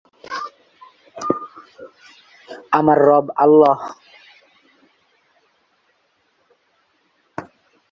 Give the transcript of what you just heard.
Train পরিষেবাগুলি Deutsche Bahn দ্বারা পরিচালিত হবে।